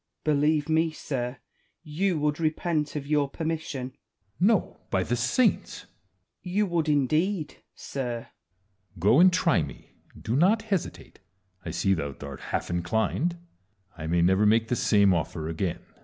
Wallace. Believe me, sir, you would repent of your per mission. Edward. No, by the saints ! Wallace. You would indeed, sir. Edward. Go, and try me ; do not hesitate : I see thou art half inclined ; I may never make the same ofier again.